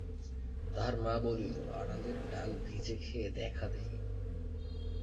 তাহার মা বলিল, আড়ালের ডাল ভিজে খেয়ে দ্যাখা দেখি?